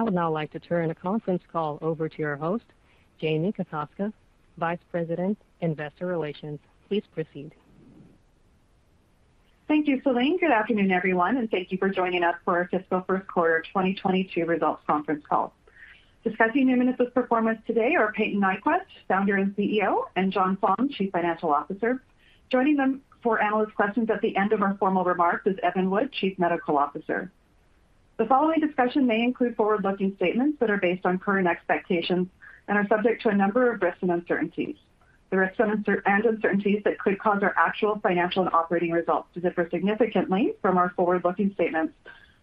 I would now like to turn the conference call over to your host, Jamie Kokoska, Vice President, Investor Relations. Please proceed. Thank you, Celine. Good afternoon, everyone, and thank you for joining us for our fiscal first quarter 2022 results conference call. Discussing Numinus's performance today are Payton Nyquvest, founder and CEO, and John Fong, Chief Financial Officer. Joining them for analyst questions at the end of our formal remarks is Evan Wood, Chief Medical Officer. The following discussion may include forward-looking statements that are based on current expectations and are subject to a number of risks and uncertainties. The risks and uncertainties that could cause our actual financial and operating results to differ significantly from our forward-looking statements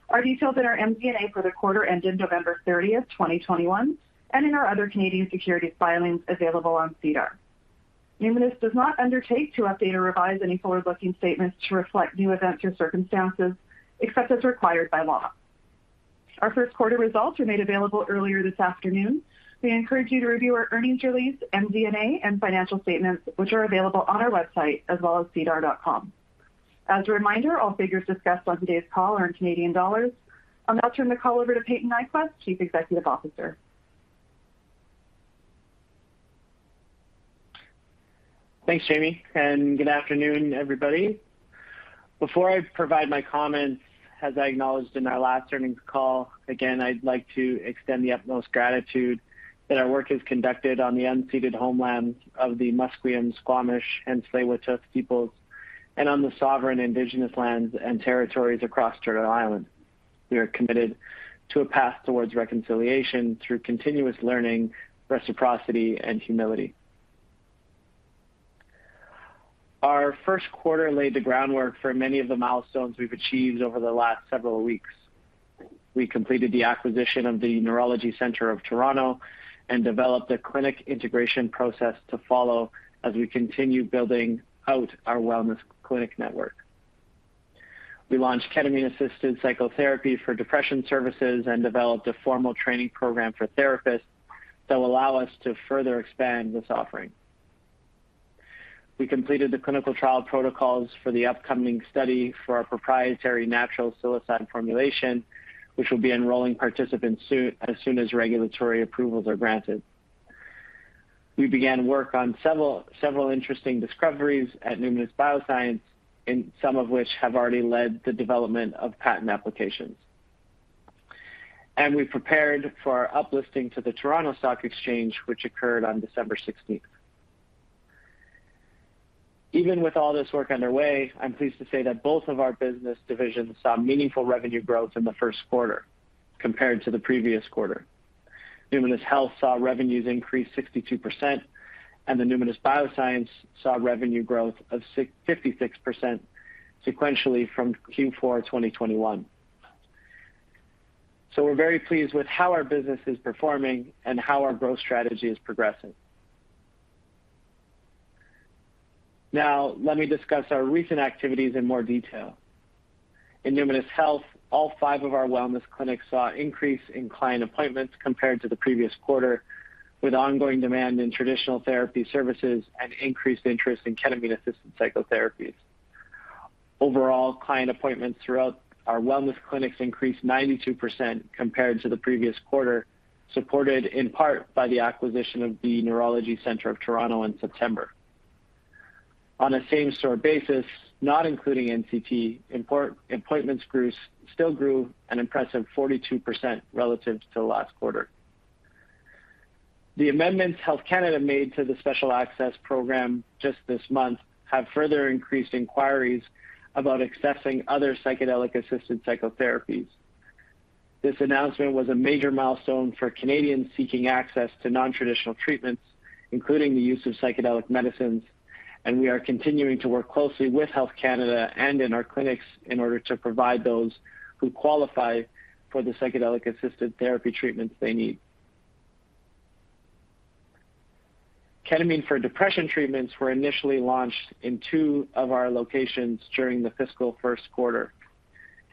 are detailed in our MD&A for the quarter ending November 30, 2021 and in our other Canadian securities filings available on SEDAR. Numinus does not undertake to update or revise any forward-looking statements to reflect new events or circumstances, except as required by law. Our first quarter results were made available earlier this afternoon. We encourage you to review our earnings release, MD&A, and financial statements, which are available on our website as well as sedar.com. As a reminder, all figures discussed on today's call are in Canadian dollars. I'll now turn the call over to Payton Nyquvest, Chief Executive Officer. Thanks, Jamie, and good afternoon, everybody. Before I provide my comments, as I acknowledged in our last earnings call, again, I'd like to extend the utmost gratitude that our work is conducted on the unceded homelands of the Musqueam, Squamish, and Tsleil-Waututh peoples and on the sovereign indigenous lands and territories across Turtle Island. We are committed to a path towards reconciliation through continuous learning, reciprocity, and humility. Our first quarter laid the groundwork for many of the milestones we've achieved over the last several weeks. We completed the acquisition of the Neurology Centre of Toronto and developed a clinic integration process to follow as we continue building out our wellness clinic network. We launched ketamine-assisted psychotherapy for depression services and developed a formal training program for therapists that will allow us to further expand this offering. We completed the clinical trial protocols for the upcoming study for our proprietary natural psilocybin formulation, which will be enrolling participants soon, as soon as regulatory approvals are granted. We began work on several interesting discoveries at Numinus Bioscience, and some of which have already led the development of patent applications. We prepared for our uplisting to the Toronto Stock Exchange, which occurred on December 16. Even with all this work underway, I'm pleased to say that both of our business divisions saw meaningful revenue growth in the first quarter compared to the previous quarter. Numinus Health saw revenues increase 62%, and Numinus Bioscience saw revenue growth of 56% sequentially from Q4 2021. We're very pleased with how our business is performing and how our growth strategy is progressing. Now let me discuss our recent activities in more detail. In Numinus Health, all five of our wellness clinics saw increase in client appointments compared to the previous quarter, with ongoing demand in traditional therapy services and increased interest in ketamine-assisted psychotherapies. Overall, client appointments throughout our wellness clinics increased 92% compared to the previous quarter, supported in part by the acquisition of the Neurology Centre of Toronto in September. On a same-store basis, not including NCT, appointments still grew an impressive 42% relative to last quarter. The amendments Health Canada made to the Special Access Program just this month have further increased inquiries about accessing other psychedelic-assisted psychotherapies. This announcement was a major milestone for Canadians seeking access to non-traditional treatments, including the use of psychedelic medicines, and we are continuing to work closely with Health Canada and in our clinics in order to provide those who qualify for the psychedelic-assisted therapy treatments they need. Ketamine for depression treatments were initially launched in two of our locations during the fiscal first quarter.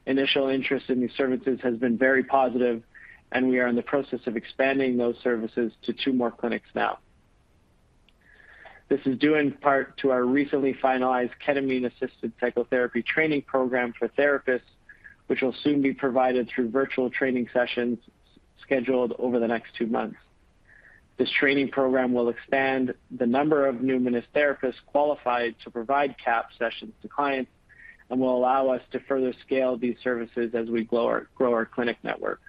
Initial interest in these services has been very positive, and we are in the process of expanding those services to two more clinics now. This is due in part to our recently finalized ketamine-assisted psychotherapy training program for therapists, which will soon be provided through virtual training sessions scheduled over the next two months. This training program will expand the number of Numinus therapists qualified to provide KAP sessions to clients and will allow us to further scale these services as we grow our clinic network.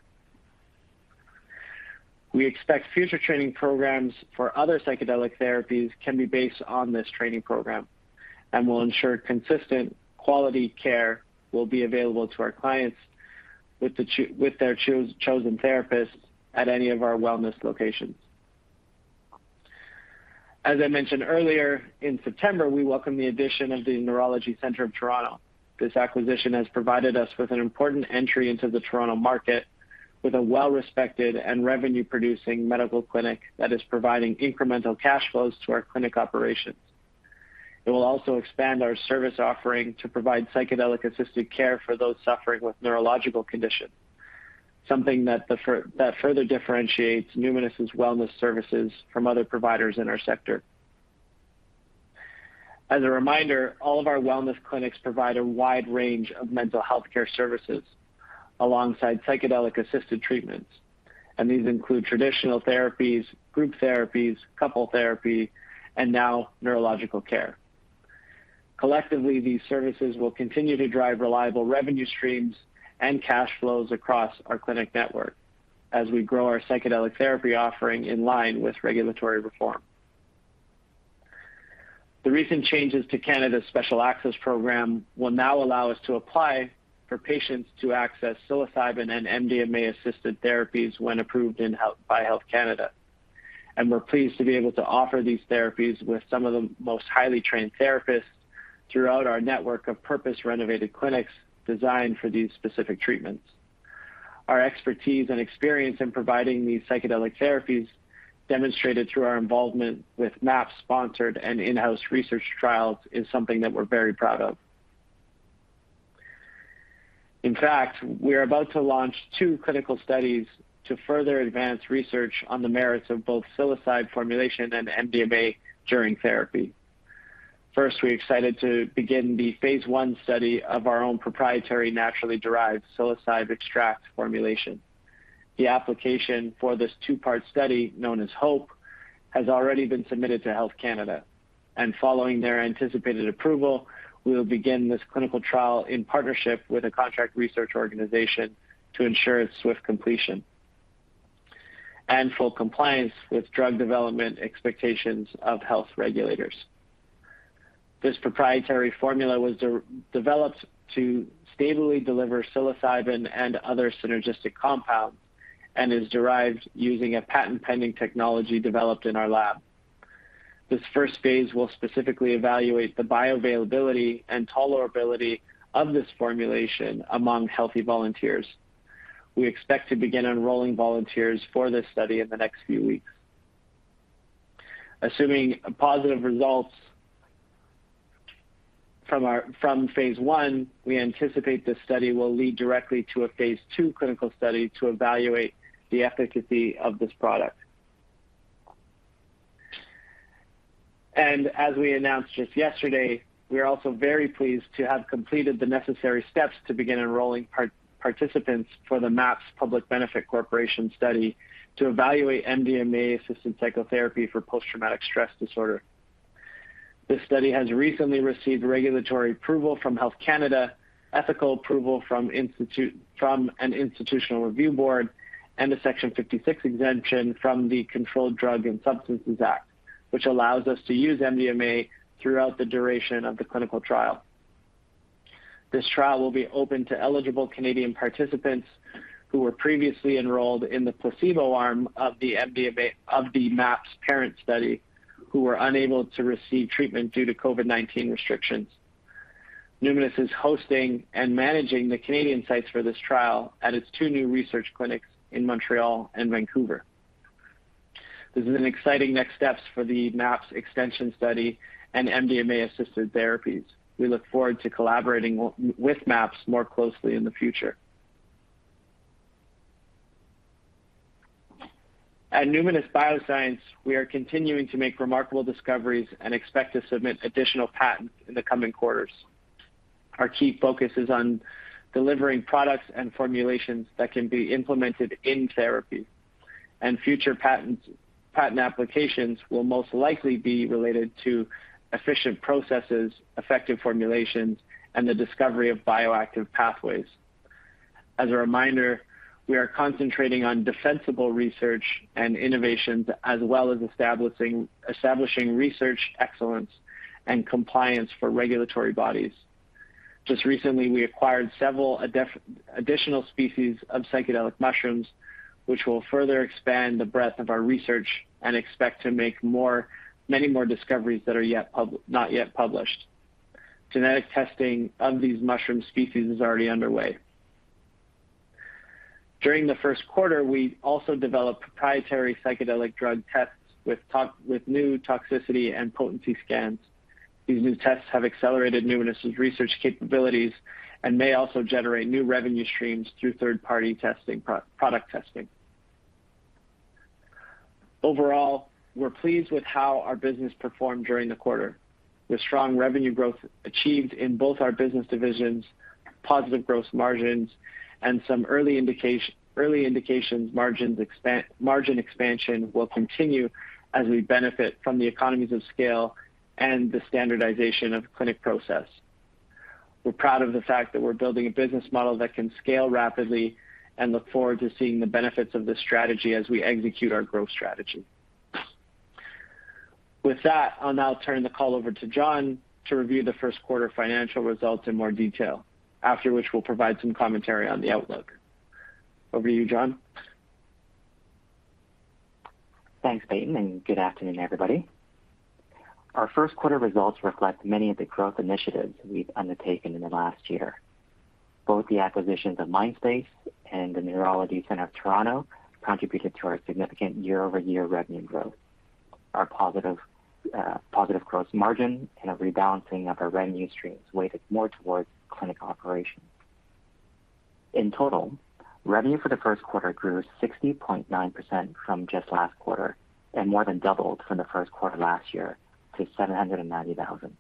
We expect future training programs for other psychedelic therapies can be based on this training program and will ensure consistent quality care will be available to our clients with their chosen therapists at any of our wellness locations. As I mentioned earlier, in September, we welcomed the addition of the Neurology Centre of Toronto. This acquisition has provided us with an important entry into the Toronto market with a well-respected and revenue-producing medical clinic that is providing incremental cash flows to our clinic operations. It will also expand our service offering to provide psychedelic-assisted care for those suffering with neurological conditions, something that further differentiates Numinus' wellness services from other providers in our sector. As a reminder, all of our wellness clinics provide a wide range of mental health care services alongside psychedelic-assisted treatments, and these include traditional therapies, group therapies, couple therapy, and now neurological care. Collectively, these services will continue to drive reliable revenue streams and cash flows across our clinic network as we grow our psychedelic therapy offering in line with regulatory reform. The recent changes to Canada's Special Access Program will now allow us to apply for patients to access psilocybin and MDMA-assisted therapies when approved by Health Canada. We're pleased to be able to offer these therapies with some of the most highly trained therapists throughout our network of purpose-renovated clinics designed for these specific treatments. Our expertise and experience in providing these psychedelic therapies demonstrated through our involvement with MAPS-sponsored and in-house research trials is something that we're very proud of. In fact, we are about to launch two clinical studies to further advance research on the merits of both psilocybin formulation and MDMA during therapy. First, we're excited to begin the phase I study of our own proprietary naturally derived psilocybin extract formulation. The application for this two-part study, known as HOPE, has already been submitted to Health Canada. Following their anticipated approval, we will begin this clinical trial in partnership with a contract research organization to ensure its swift completion and full compliance with drug development expectations of health regulators. This proprietary formula was de-developed to stably deliver psilocybin and other synergistic compounds and is derived using a patent-pending technology developed in our lab. This phase I will specifically evaluate the bioavailability and tolerability of this formulation among healthy volunteers. We expect to begin enrolling volunteers for this study in the next few weeks. Assuming positive results from phase I, we anticipate this study will lead directly to a phase II clinical study to evaluate the efficacy of this product. As we announced just yesterday, we are also very pleased to have completed the necessary steps to begin enrolling participants for the MAPS Public Benefit Corporation study to evaluate MDMA-assisted psychotherapy for post-traumatic stress disorder. This study has recently received regulatory approval from Health Canada, ethical approval from an institutional review board, and a Section 56 exemption from the Controlled Drugs and Substances Act, which allows us to use MDMA throughout the duration of the clinical trial. This trial will be open to eligible Canadian participants who were previously enrolled in the placebo arm of the MAPS parent study, who were unable to receive treatment due to COVID-19 restrictions. Numinus is hosting and managing the Canadian sites for this trial at its two new research clinics in Montreal and Vancouver. This is an exciting next steps for the MAPS extension study and MDMA-assisted therapies. We look forward to collaborating with MAPS more closely in the future. At Numinus Bioscience, we are continuing to make remarkable discoveries and expect to submit additional patents in the coming quarters. Our key focus is on delivering products and formulations that can be implemented in therapy, and future patent applications will most likely be related to efficient processes, effective formulations, and the discovery of bioactive pathways. As a reminder, we are concentrating on defensible research and innovations, as well as establishing research excellence and compliance for regulatory bodies. Just recently, we acquired several additional species of psychedelic mushrooms, which will further expand the breadth of our research and expect to make many more discoveries that are not yet published. Genetic testing of these mushroom species is already underway. During the first quarter, we also developed proprietary psychedelic drug tests with new toxicity and potency scans. These new tests have accelerated Numinus' research capabilities and may also generate new revenue streams through third-party product testing. Overall, we're pleased with how our business performed during the quarter, with strong revenue growth achieved in both our business divisions, positive gross margins, and some early indications margin expansion will continue as we benefit from the economies of scale and the standardization of clinic process. We're proud of the fact that we're building a business model that can scale rapidly and look forward to seeing the benefits of this strategy as we execute our growth strategy. With that, I'll now turn the call over to John to review the first quarter financial results in more detail. After which, we'll provide some commentary on the outlook. Over to you, John. Thanks, Peyton, and good afternoon, everybody. Our first quarter results reflect many of the growth initiatives we've undertaken in the last year. Both the acquisitions of Mindspace and the Neurology Centre of Toronto contributed to our significant year-over-year revenue growth. Our positive positive growth margin and a rebalancing of our revenue streams weighted more towards clinic operations. In total, revenue for the first quarter grew 60.9% from just last quarter and more than doubled from the first quarter last year to 790,000.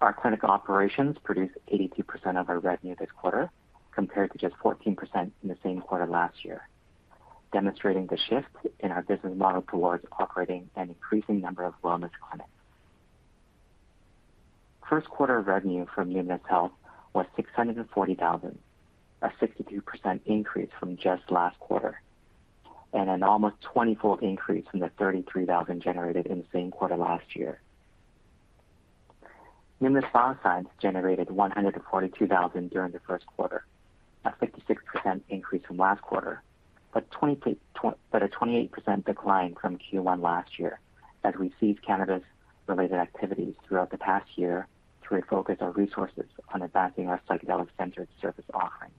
Our clinic operations produced 82% of our revenue this quarter, compared to just 14% in the same quarter last year, demonstrating the shift in our business model towards operating an increasing number of wellness clinics. First quarter revenue from Numinus Health was 640 thousand, a 62% increase from just last quarter, and an almost twenty-fold increase from the 33 thousand generated in the same quarter last year. Numinus Bioscience generated 142 thousand during the first quarter, a 56% increase from last quarter, but a 28% decline from Q1 last year as we ceased cannabis-related activities throughout the past year to refocus our resources on advancing our psychedelic-centered service offerings.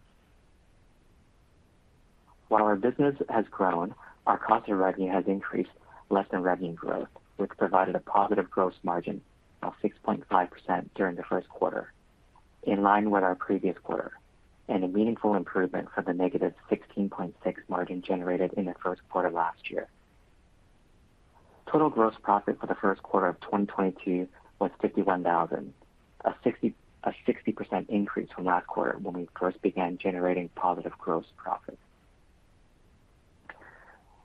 While our business has grown, our cost of revenue has increased less than revenue growth, which provided a positive gross margin of 6.5% during the first quarter, in line with our previous quarter, and a meaningful improvement from the negative 16.6% margin generated in the first quarter last year. Total gross profit for the first quarter of 2022 was 51,000, a 60% increase from last quarter when we first began generating positive gross profit.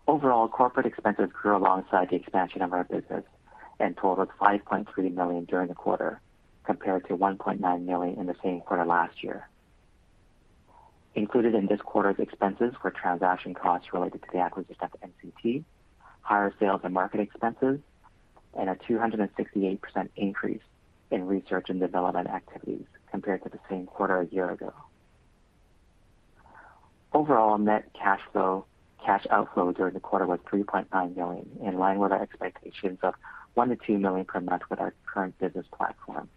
Overall, corporate expenses grew alongside the expansion of our business and totaled 5.3 million during the quarter, compared to 1.9 million in the same quarter last year. Included in this quarter's expenses were transaction costs related to the acquisition of NCT, higher sales and marketing expenses, and a 268% increase in research and development activities compared to the same quarter a year ago. Overall, cash outflows during the quarter was 3.9 million, in line with our expectations of 1 million-2 million per month with our current business platform.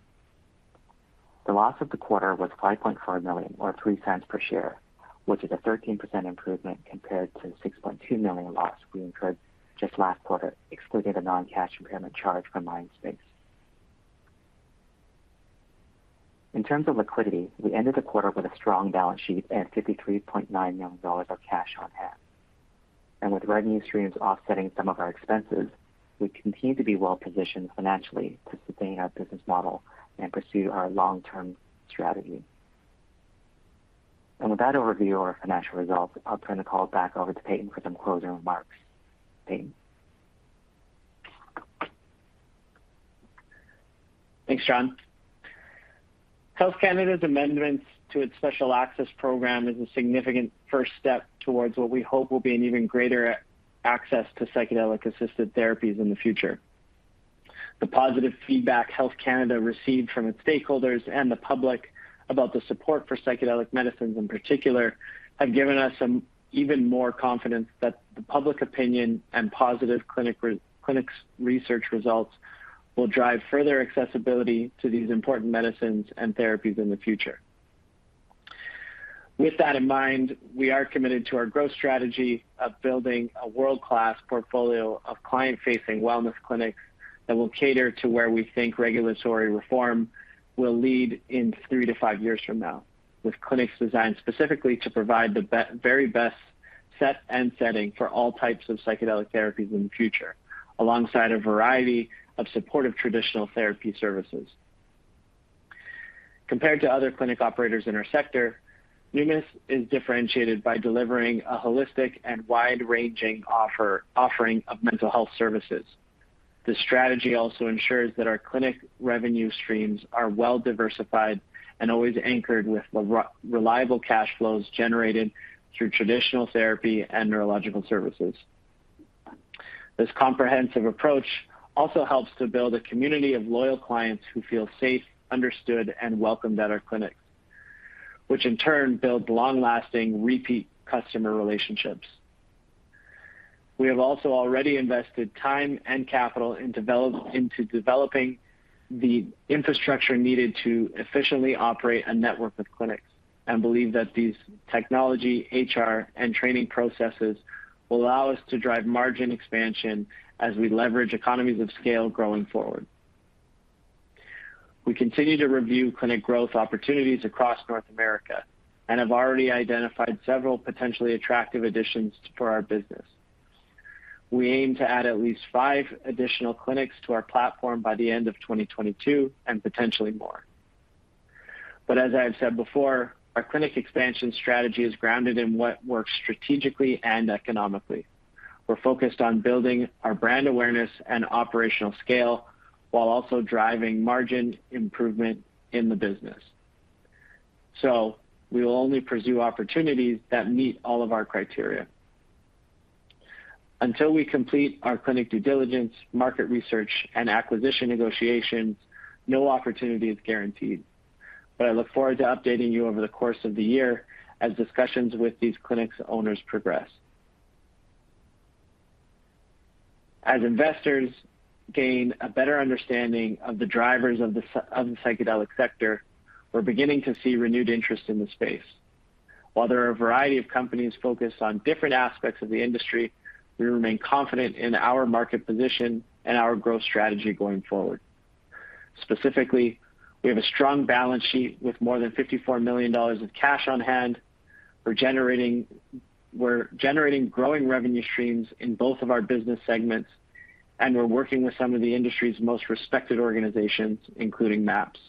The loss of the quarter was 5.4 million or 0.03 per share, which is a 13% improvement compared to the 6.2 million loss we incurred just last quarter, excluding a non-cash impairment charge from Mindspace. In terms of liquidity, we ended the quarter with a strong balance sheet and 53.9 million dollars of cash on hand. With revenue streams offsetting some of our expenses, we continue to be well-positioned financially to sustain our business model and pursue our long-term strategy. With that overview of our financial results, I'll turn the call back over to Peyton for some closing remarks. Peyton? Thanks, John. Health Canada's amendments to its Special Access Program is a significant first step towards what we hope will be an even greater access to psychedelic-assisted therapies in the future. The positive feedback Health Canada received from its stakeholders and the public about the support for psychedelic medicines in particular have given us some even more confidence that the public opinion and positive clinic's research results will drive further accessibility to these important medicines and therapies in the future. With that in mind, we are committed to our growth strategy of building a world-class portfolio of client-facing wellness clinics that will cater to where we think regulatory reform will lead in three to five years from now, with clinics designed specifically to provide the very best set and setting for all types of psychedelic therapies in the future, alongside a variety of supportive traditional therapy services. Compared to other clinic operators in our sector, Numinus is differentiated by delivering a holistic and wide-ranging offering of mental health services. This strategy also ensures that our clinic revenue streams are well-diversified and always anchored with reliable cash flows generated through traditional therapy and neurological services. This comprehensive approach also helps to build a community of loyal clients who feel safe, understood, and welcomed at our clinics, which in turn builds long-lasting repeat customer relationships. We have also already invested time and capital into developing the infrastructure needed to efficiently operate a network of clinics and believe that these technology, HR, and training processes will allow us to drive margin expansion as we leverage economies of scale going forward. We continue to review clinic growth opportunities across North America and have already identified several potentially attractive additions for our business. We aim to add at least five additional clinics to our platform by the end of 2022 and potentially more. As I have said before, our clinic expansion strategy is grounded in what works strategically and economically. We're focused on building our brand awareness and operational scale while also driving margin improvement in the business. We will only pursue opportunities that meet all of our criteria. Until we complete our clinic due diligence, market research, and acquisition negotiations, no opportunity is guaranteed. I look forward to updating you over the course of the year as discussions with these clinics' owners progress. As investors gain a better understanding of the drivers of the psychedelic sector, we're beginning to see renewed interest in the space. While there are a variety of companies focused on different aspects of the industry, we remain confident in our market position and our growth strategy going forward. Specifically, we have a strong balance sheet with more than 54 million dollars of cash on hand. We're generating growing revenue streams in both of our business segments, and we're working with some of the industry's most respected organizations, including MAPS.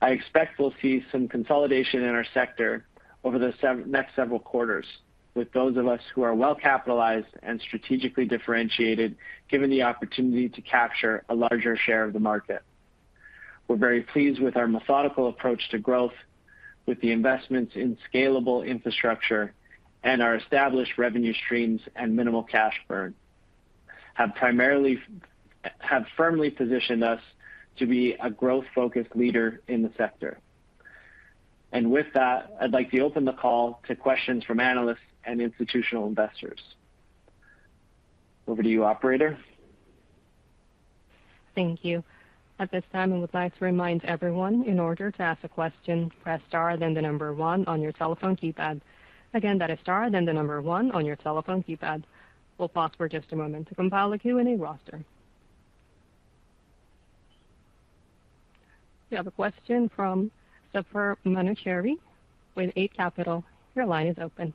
I expect we'll see some consolidation in our sector over the next several quarters, with those of us who are well-capitalized and strategically differentiated given the opportunity to capture a larger share of the market. We're very pleased with our methodical approach to growth with the investments in scalable infrastructure and our established revenue streams and minimal cash burn have firmly positioned us to be a growth-focused leader in the sector. With that, I'd like to open the call to questions from analysts and institutional investors. Over to you, operator. Thank you. At this time, I would like to remind everyone in order to ask a question, press star then the number one on your telephone keypad. Again, that is star then the number one on your telephone keypad. We'll pause for just a moment to compile the Q&A roster. We have a question from [Sep] Manuchehri with Eight Capital. Your line is open.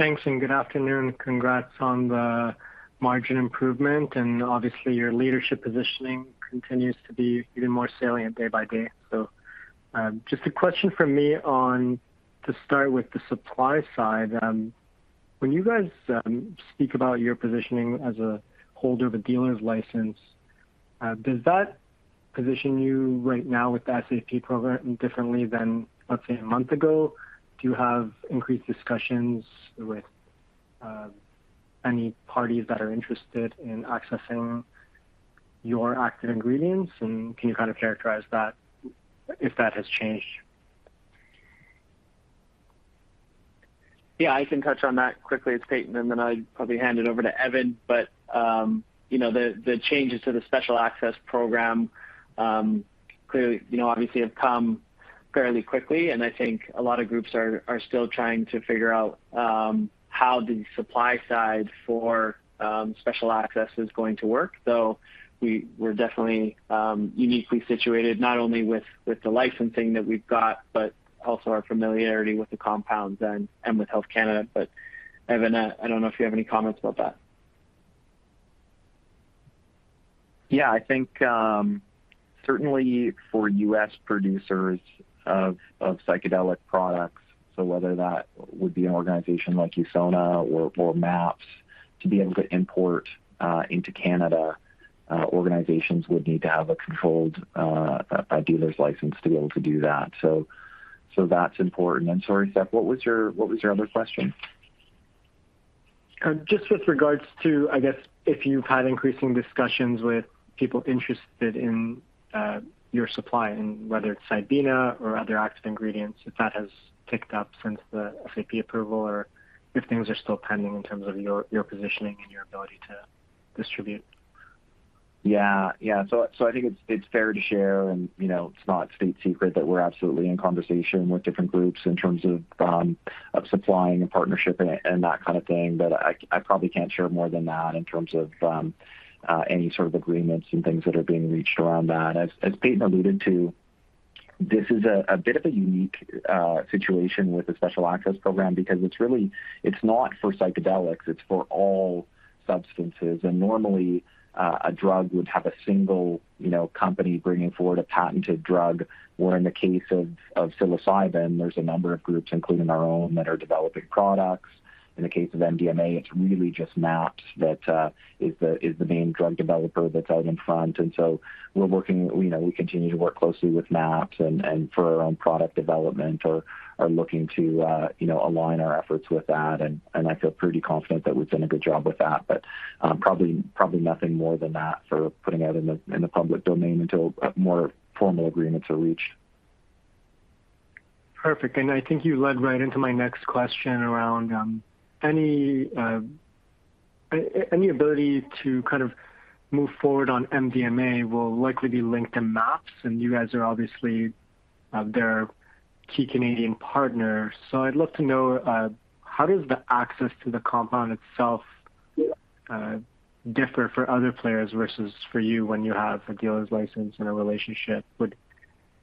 Thanks, and good afternoon. Congrats on the margin improvement, and obviously your leadership positioning continues to be even more salient day by day. Just a question from me on to start with the supply side. When you guys speak about your positioning as a holder of a Dealer's Licence, does that position you right now with the SAP program differently than, let's say, a month ago? Do you have increased discussions with any parties that are interested in accessing your active ingredients? Can you kind of characterize that if that has changed? Yeah, I can touch on that quickly. It's Peyton, and then I'd probably hand it over to Evan. You know, the changes to the Special Access Program clearly, you know, obviously have come fairly quickly, and I think a lot of groups are still trying to figure out how the supply side for Special Access is going to work. We're definitely uniquely situated, not only with the licensing that we've got, but also our familiarity with the compounds and with Health Canada. Evan, I don't know if you have any comments about that. Yeah. I think certainly for U.S. producers of psychedelic products, so whether that would be an organization like Usona or MAPS, to be able to import into Canada, organizations would need to have a dealer's license to be able to do that. That's important. Sorry, Sep, what was your other question? Just with regards to, I guess, if you've had increasing discussions with people interested in your supply and whether it's psilocybin or other active ingredients, if that has ticked up since the SAP approval or if things are still pending in terms of your positioning and your ability to distribute. So I think it's fair to share, and you know, it's not state secret that we're absolutely in conversation with different groups in terms of supplying a partnership and that kind of thing. But I probably can't share more than that in terms of any sort of agreements and things that are being reached around that. As Payton alluded to, this is a bit of a unique situation with the Special Access Program because it's really not for psychedelics, it's for all substances. Normally a drug would have a single, you know, company bringing forward a patented drug, where in the case of psilocybin, there's a number of groups, including our own, that are developing products. In the case of MDMA, it's really just MAPS that is the main drug developer that's out in front. We continue to work closely with MAPS and for our own product development or looking to align our efforts with that. I feel pretty confident that we've done a good job with that. Probably nothing more than that for putting out in the public domain until more formal agreements are reached. Perfect. I think you led right into my next question around any ability to kind of move forward on MDMA will likely be linked in MAPS, and you guys are obviously their key Canadian partner. I'd love to know how does the access to the compound itself differ for other players versus for you when you have a Dealer's Licence and a relationship?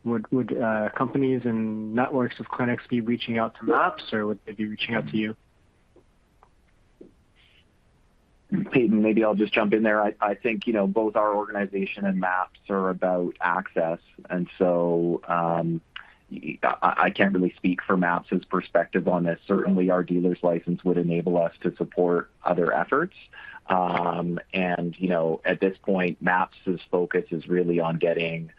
Would companies and networks of clinics be reaching out to MAPS, or would they be reaching out to you? Payton, maybe I'll just jump in there. I think, you know, both our organization and MAPS are about access, and so I can't really speak for MAPS' perspective on this. Certainly, our Dealer's Licence would enable us to support other efforts. You know, at this point, MAPS' focus is really on getting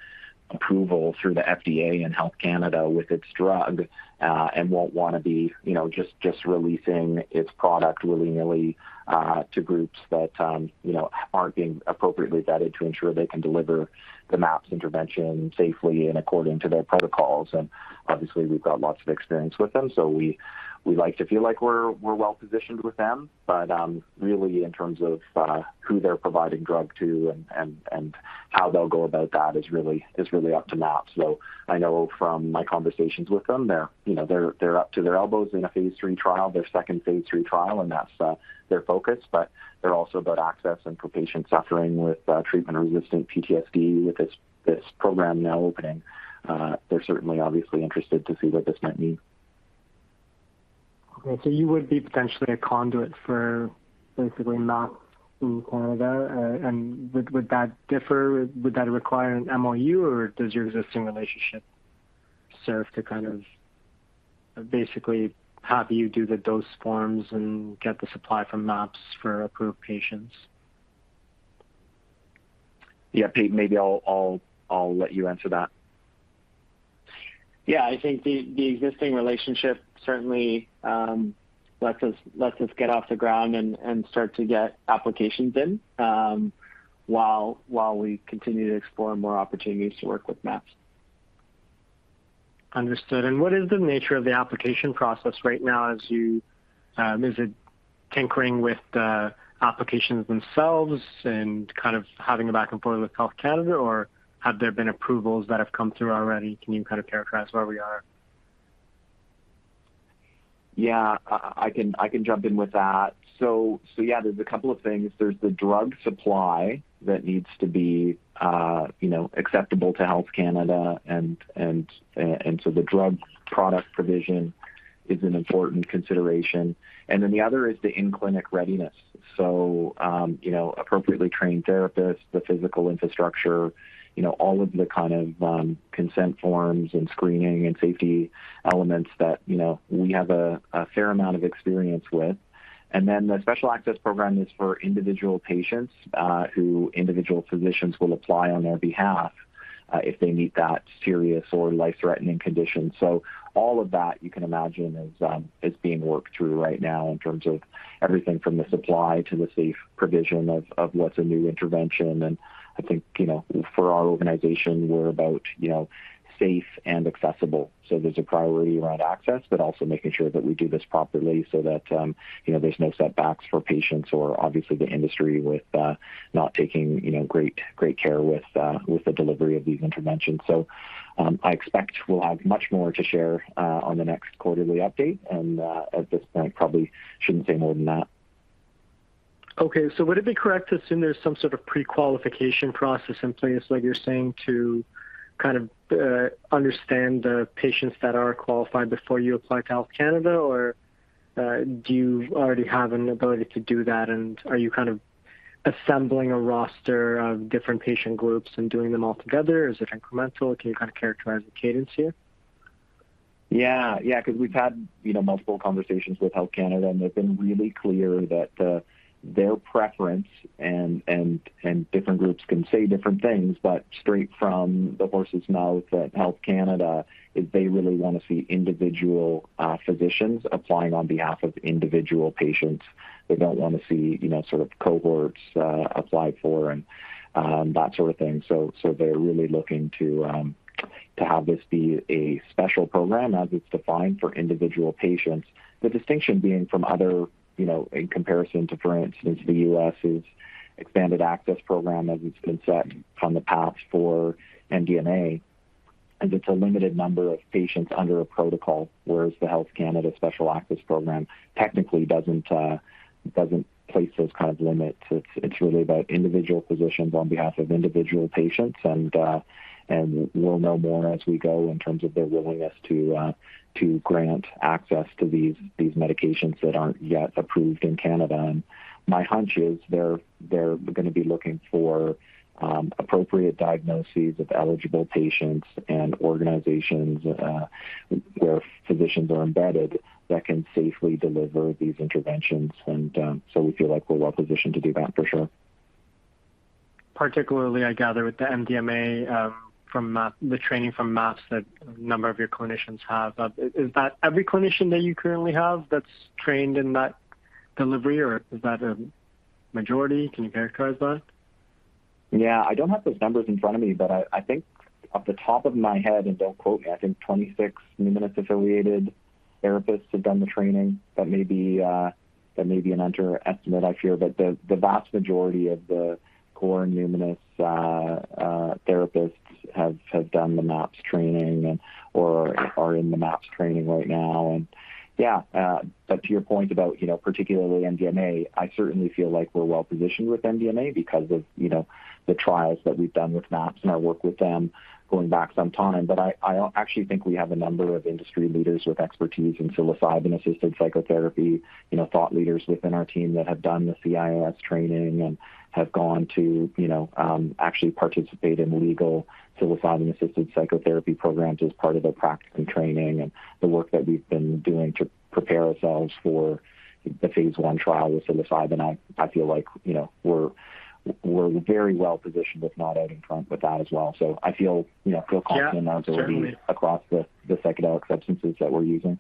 approval through the FDA and Health Canada with its drug, and won't wanna be, you know, just releasing its product willy-nilly to groups that, you know, aren't being appropriately vetted to ensure they can deliver the MAPS intervention safely and according to their protocols. Obviously, we've got lots of experience with them, so we like to feel like we're well-positioned with them. Really in terms of who they're providing drug to and how they'll go about that is really up to MAPS. I know from my conversations with them, they're, you know, up to their elbows in a phase III trial, their second phase III trial, and that's their focus. They're also about access and for patients suffering with treatment-resistant PTSD. With this program now opening, they're certainly obviously interested to see what this might mean. Okay. You would be potentially a conduit for basically MAPS in Canada. Would that differ? Would that require an MOU, or does your existing relationship serve to kind of basically have you do the dose forms and get the supply from MAPS for approved patients? Yeah. Pete, maybe I'll let you answer that. Yeah. I think the existing relationship certainly lets us get off the ground and start to get applications in while we continue to explore more opportunities to work with MAPS. Understood. What is the nature of the application process right now as you, is it tinkering with the applications themselves and kind of having a back and forth with Health Canada, or have there been approvals that have come through already? Can you kind of characterize where we are? Yeah. I can jump in with that. Yeah, there's a couple of things. There's the drug supply that needs to be, you know, acceptable to Health Canada and so the drug product provision is an important consideration. The other is the in-clinic readiness. You know, appropriately trained therapists, the physical infrastructure, you know, all of the kind of consent forms and screening and safety elements that, you know, we have a fair amount of experience with. The Special Access Program is for individual patients who individual physicians will apply on their behalf if they meet that serious or life-threatening condition. All of that, you can imagine, is being worked through right now in terms of everything from the supply to the safe provision of what's a new intervention. I think, you know, for our organization, we're about, you know, safe and accessible. There's a priority around access, but also making sure that we do this properly so that, you know, there's no setbacks for patients or obviously the industry with not taking, you know, great care with the delivery of these interventions. I expect we'll have much more to share on the next quarterly update, and at this point, probably shouldn't say more than that. Okay. Would it be correct to assume there's some sort of pre-qualification process in place, like you're saying, to kind of understand the patients that are qualified before you apply to Health Canada? Or, do you already have an ability to do that, and are you kind of assembling a roster of different patient groups and doing them all together? Is it incremental? Can you kind of characterize the cadence here? Yeah. Yeah, 'cause we've had, you know, multiple conversations with Health Canada, and they've been really clear that their preference and different groups can say different things, but straight from the horse's mouth at Health Canada is they really wanna see individual physicians applying on behalf of individual patients. They don't wanna see, you know, sort of cohorts apply for and that sort of thing. They're really looking to have this be a Special Access Program as it's defined for individual patients. The distinction being from other, you know, in comparison to, for instance, the U.S.'s Expanded Access Program as it's been set from the PATH for MDMA, and it's a limited number of patients under a protocol, whereas the Health Canada Special Access Program technically doesn't place those kind of limits. It's really about individual physicians on behalf of individual patients. We'll know more as we go in terms of their willingness to grant access to these medications that aren't yet approved in Canada. My hunch is they're gonna be looking for appropriate diagnoses of eligible patients and organizations where physicians are embedded that can safely deliver these interventions. We feel like we're well positioned to do that for sure. Particularly, I gather, with the MDMA from MAPS, the training from MAPS that a number of your clinicians have. Is that every clinician that you currently have that's trained in that delivery, or is that a majority? Can you characterize that? Yeah. I don't have those numbers in front of me, but I think off the top of my head, and don't quote me, I think 26 Numinus-affiliated therapists have done the training. That may be an underestimate, I fear. The vast majority of the core Numinus therapists have done the MAPS training and or are in the MAPS training right now. Yeah, but to your point about, you know, particularly MDMA, I certainly feel like we're well positioned with MDMA because of, you know, the trials that we've done with MAPS and our work with them going back some time. I actually think we have a number of industry leaders with expertise in psilocybin-assisted psychotherapy, you know, thought leaders within our team that have done the CIIS training and have gone to, you know, actually participate in legal psilocybin-assisted psychotherapy programs as part of their practice and training and the work that we've been doing to prepare ourselves for the phase I trial with psilocybin. I feel like, you know, we're very well positioned, if not out in front with that as well. I feel, you know, confident. Yeah. Certainly. In our ability across the psychedelic substances that we're using.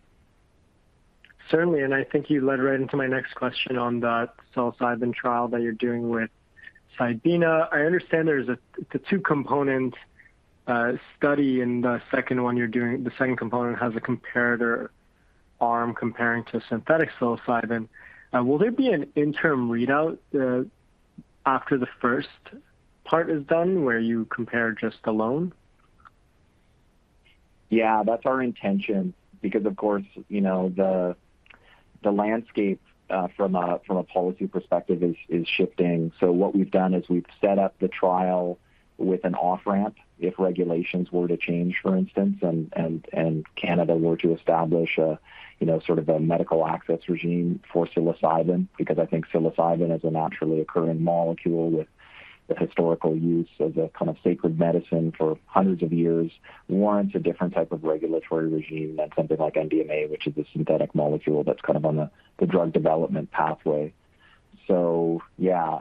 Certainly. I think you led right into my next question on the psilocybin trial that you're doing with psilocybin. I understand it's a two-component study, and the second component has a comparator arm comparing to synthetic psilocybin. Will there be an interim readout after the first part is done where you compare just alone? Yeah, that's our intention because of course, you know, the landscape from a policy perspective is shifting. What we've done is we've set up the trial with an off-ramp if regulations were to change, for instance, and Canada were to establish a, you know, sort of a medical access regime for psilocybin. Because I think psilocybin is a naturally occurring molecule with the historical use as a kind of sacred medicine for hundreds of years warrants a different type of regulatory regime than something like MDMA, which is a synthetic molecule that's kind of on the drug development pathway. Yeah,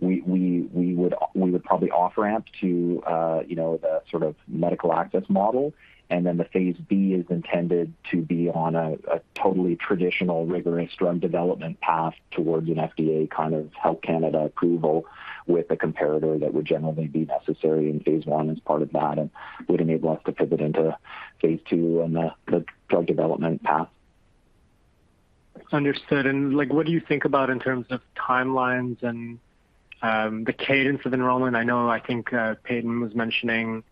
we would probably off-ramp to, you know, the sort of medical access model. The phase IB is intended to be on a totally traditional rigorous drug development path towards an FDA kind of Health Canada approval with a comparator that would generally be necessary in phase I as part of that and would enable us to pivot into phase II on the drug development path. Understood. Like, what do you think about in terms of timelines and the cadence of enrollment? I know, I think, Payton was mentioning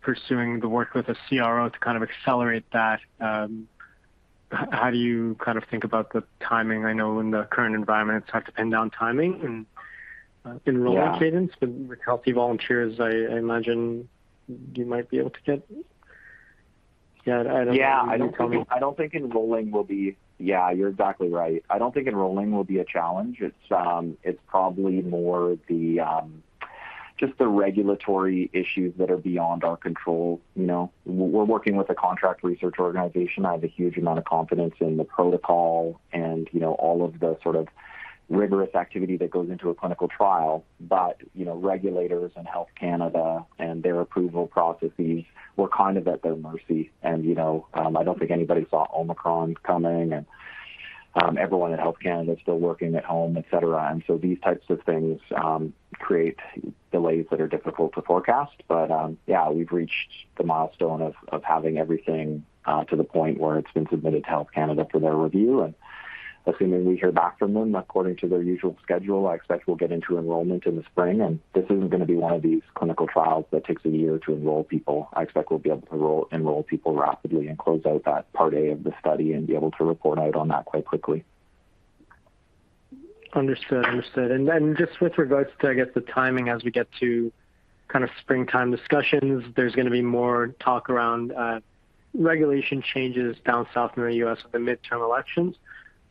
pursuing the work with a CRO to kind of accelerate that. How do you kind of think about the timing? I know in the current environment it's hard to pin down timing and enrollment cadence. Yeah. With healthy volunteers, I imagine you might be able to get. Yeah, I don't Yeah, you're exactly right. I don't think enrolling will be a challenge. It's probably more just the regulatory issues that are beyond our control, you know. We're working with a contract research organization. I have a huge amount of confidence in the protocol and, you know, all of the sort of rigorous activity that goes into a clinical trial. You know, regulators and Health Canada and their approval processes, we're kind of at their mercy. You know, I don't think anybody saw Omicron coming and, everyone at Health Canada is still working at home, et cetera. These types of things create delays that are difficult to forecast. Yeah, we've reached the milestone of having everything to the point where it's been submitted to Health Canada for their review. Assuming we hear back from them according to their usual schedule, I expect we'll get into enrollment in the spring. This isn't gonna be one of these clinical trials that takes a year to enroll people. I expect we'll be able to enroll people rapidly and close out that part A of the study and be able to report out on that quite quickly. Understood. Just with regards to, I guess, the timing as we get to kind of springtime discussions, there's gonna be more talk around regulation changes down south near the U.S. with the midterm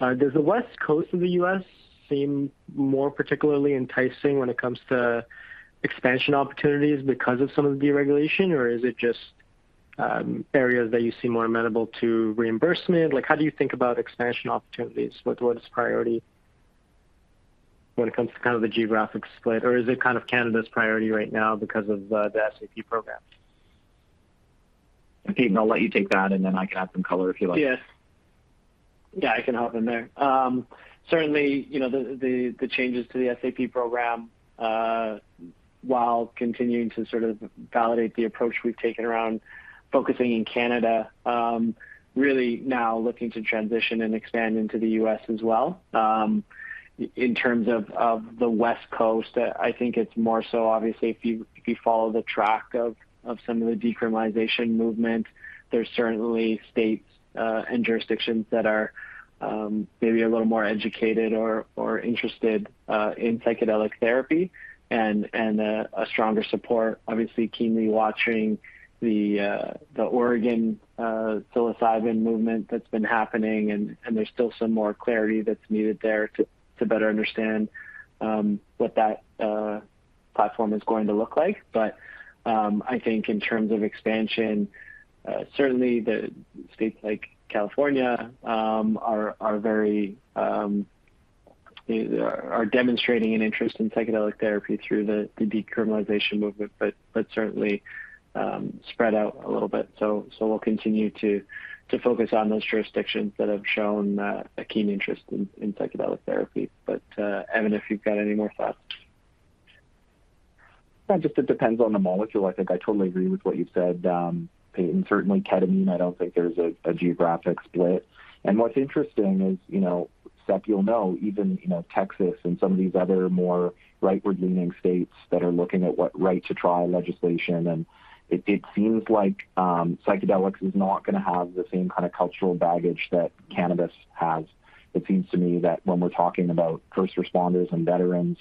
elections. Does the West Coast of the U.S. seem more particularly enticing when it comes to expansion opportunities because of some of the deregulation, or is it just areas that you see more amenable to reimbursement? Like, how do you think about expansion opportunities? What is priority when it comes to kind of the geographic split? Or is it kind of Canada's priority right now because of the SAP program? Payton, I'll let you take that, and then I can add some color if you like. Yes. Yeah, I can hop in there. Certainly, you know, the changes to the SAP program, while continuing to sort of validate the approach we've taken around focusing in Canada, really now looking to transition and expand into the U.S. as well. In terms of the West Coast, I think it's more so obviously if you follow the track of some of the decriminalization movement, there's certainly states and jurisdictions that are maybe a little more educated or interested in psychedelic therapy and a stronger support. Obviously keenly watching the Oregon psilocybin movement that's been happening and there's still some more clarity that's needed there to better understand what that platform is going to look like. I think in terms of expansion, certainly the states like California are demonstrating an interest in psychedelic therapy through the decriminalization movement, but certainly spread out a little bit. We'll continue to focus on those jurisdictions that have shown a keen interest in psychedelic therapy. Evan, if you've got any more thoughts. Yeah. It just depends on the molecule. I think I totally agree with what you've said, Peyton. Certainly, ketamine, I don't think there's a geographic split. What's interesting is, you know, Seth, you'll know, even you know, Texas and some of these other more rightward-leaning states that are looking at right-to-try legislation. It seems like psychedelics is not gonna have the same kind of cultural baggage that cannabis has. It seems to me that when we're talking about first responders and veterans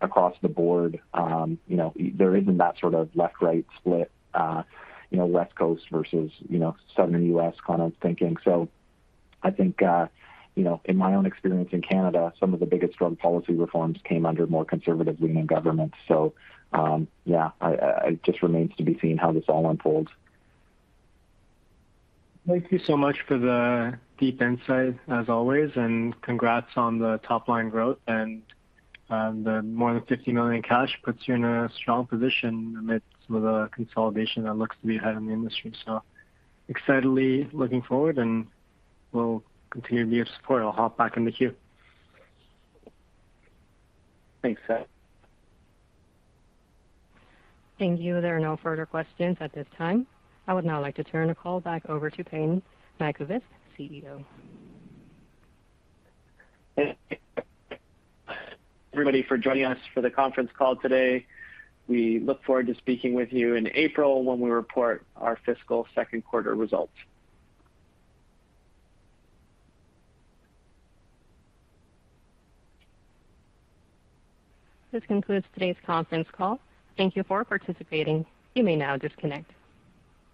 across the board, you know, there isn't that sort of left-right split, you know, West Coast versus, you know, Southern U.S. kind of thinking. I think, you know, in my own experience in Canada, some of the biggest drug policy reforms came under more conservative-leaning governments. Yeah, it just remains to be seen how this all unfolds. Thank you so much for the deep insight as always, and congrats on the top line growth and the more than 50 million cash puts you in a strong position amidst some of the consolidation that looks to be ahead in the industry. Excitedly looking forward and we'll continue to be of support. I'll hop back in the queue. Thanks, Suth. Thank you. There are no further questions at this time. I would now like to turn the call back over to Payton Nyquvest, CEO. Thank you everybody for joining us for the conference call today. We look forward to speaking with you in April when we report our fiscal second quarter results. This concludes today's conference call. Thank you for participating. You may now disconnect.